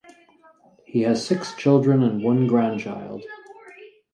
He has six children and one grandchild.